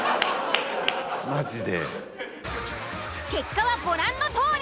結果はご覧のとおり。